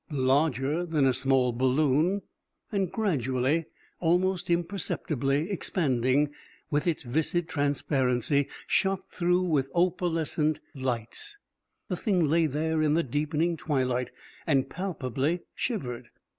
Larger than a small balloon, and gradually, almost imperceptibly expanding, with its viscid transparency shot through with opalescent lights, the Thing lay there in the deepening twilight and palpably shivered.